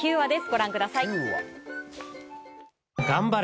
ご覧ください。